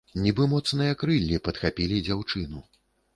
Нібы моцныя крыллі падхапілі дзяўчыну.